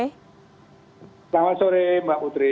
selamat sore mbak putri